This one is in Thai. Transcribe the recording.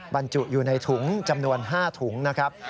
บรรจุอยู่ในถุงจำนวน๕ถุงนะครับ